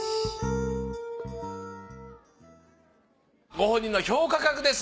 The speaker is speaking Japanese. ご本人の評価額です。